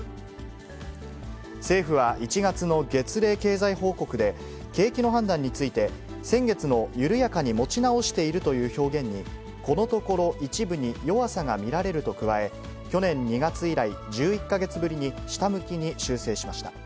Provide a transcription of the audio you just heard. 政府は１月の月例経済報告で、景気の判断について、先月の緩やかに持ち直しているという表現に、このところ一部に弱さが見られると加え、去年２月以来、１１か月ぶりに下向きに修正しました。